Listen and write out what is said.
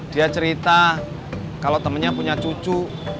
dia cerita kalau temennya punya cucu